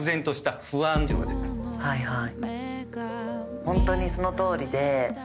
はいはい。